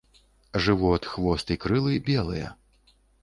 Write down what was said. Жывот, хвост і крылы белыя.